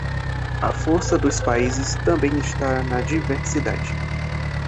A força dos países também está na diversidade